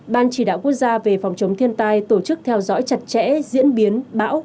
ban chỉ đạo quốc gia về phòng chống thiên tai tổ chức theo dõi chặt chẽ diễn biến bão